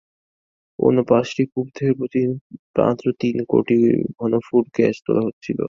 অন্য পাঁচটি কূপ থেকে প্রতিদিন মাত্র তিন কোটি ঘনফুট গ্যাস তোলা হচ্ছিল।